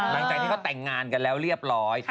หลังจากที่เขาแต่งงานกันแล้วเรียบร้อย